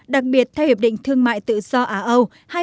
đặc biệt theo hiệp định thương mại tự do á âu